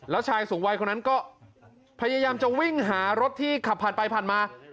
แล้วชายสูงวัยคนนั้นก็พยายามจะวิ่งหารถที่ขับผ่านไปผ่านมา